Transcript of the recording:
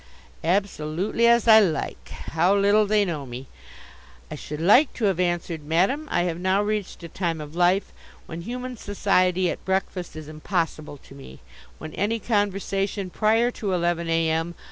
Absolutely as I like! How little they know me. I should like to have answered: "Madam, I have now reached a time of life when human society at breakfast is impossible to me; when any conversation prior to eleven a.m.